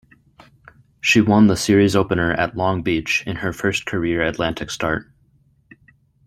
She won the series opener at Long Beach in her first career Atlantic start.